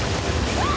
あっ！